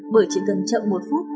bởi chỉ cần chậm một phút